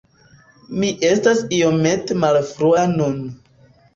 Mi estas iomete malfrua nun.